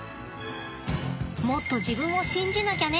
もっと自分を信じなきゃね。